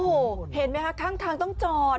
โอ้โหเห็นไหมคะข้างทางต้องจอด